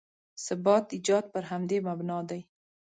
ثبات ایجاد پر همدې مبنا دی.